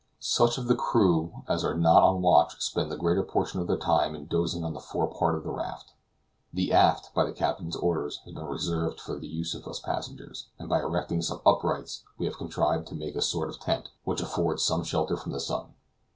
Such of the crew as are not on watch spend the greater portion of their time in dozing on the fore part of the raft. The aft, by the captain's orders, has been reserved for the use of us passengers, and by erecting some uprights we have contrived to make a sort of tent, which affords some shelter from the sun.